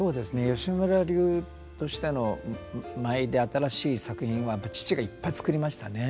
吉村流としての舞で新しい作品は父がいっぱい作りましたね。